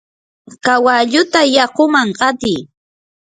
kawalluta yakuman qatiy.